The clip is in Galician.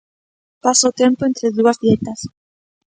Paso o tempo entre dúas dietas.